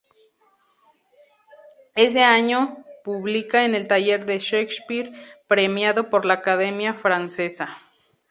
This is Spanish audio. Ese año publica "En el taller de Shakespeare", premiado por la Academia Francesa.